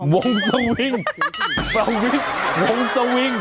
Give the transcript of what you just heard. วงสวิงประวิทย์วงสวิง